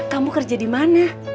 kamu kerja di mana